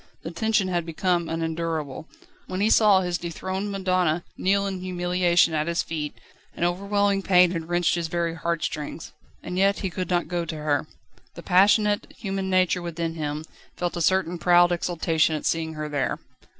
The tension had become unendurable. When he saw his dethroned madonna kneel in humiliation at his feet, an overwhelming pain had wrenched his very heart strings. And yet he could not go to her. The passionate, human nature within him felt a certain proud exultation at seeing her there.